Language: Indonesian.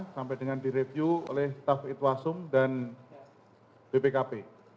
sampai dengan direview oleh staf itwasum dan bpkp